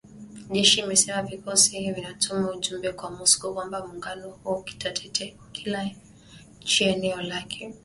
jeshi imesema vikosi hivyo vinatuma ujumbe kwa Moscow kwamba muungano huo utatetea kila nchi ya eneo lake